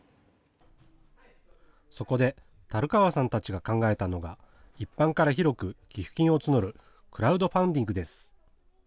そこで樽川さんたちが考えたのが一般から広く寄付金を募るクラウドファンディングです。